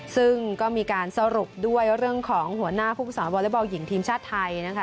ซึ่งก็มีการสรุปด้วยเรื่องของหัวหน้าผู้ฝึกสอนวอเล็กบอลหญิงทีมชาติไทยนะคะ